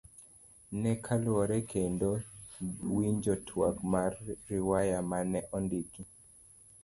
Ne oluokore kendo winjo twak mar riwaya mane ondiko.